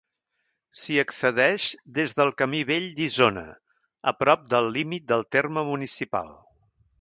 S'hi accedeix des del Camí Vell d'Isona, a prop del límit del terme municipal.